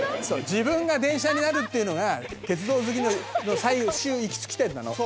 自分が電車になるっていうのが、鉄道好きの最終行き着き点なの。